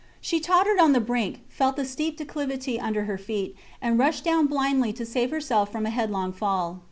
She tottered on the brink, felt the steep declivity under her feet, and rushed down blindly to save herself from a headlong fall.